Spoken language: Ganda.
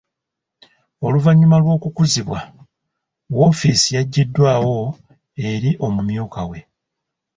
Oluvannyuma lw'okukuzibwa, woofiisi yagiwaddeyo eri omumyuka we.